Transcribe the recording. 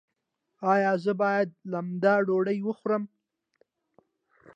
ایا زه باید لمده ډوډۍ وخورم؟